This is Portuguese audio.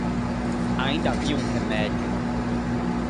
Ainda havia um remédio.